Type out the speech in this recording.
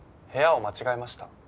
部屋を間違えました。